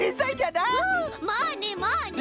まあねまあね！